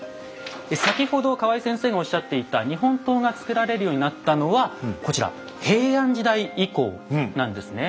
先ほど河合先生がおっしゃっていた日本刀が作られるようになったのはこちら平安時代以降なんですね。